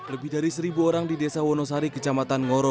lebih dari seribu orang di desa wonosari kecamatan ngoro